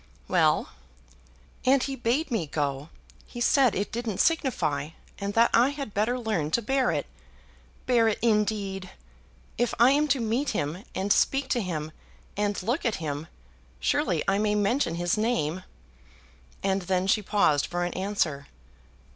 "Well." "And he bade me go. He said it didn't signify, and that I had better learn to bear it. Bear it, indeed! If I am to meet him, and speak to him, and look at him, surely I may mention his name." And then she paused for an answer.